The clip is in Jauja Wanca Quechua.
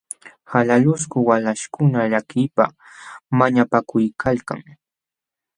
Qalaluksu walaśhkuna llakiypaq mañapakuykalkan.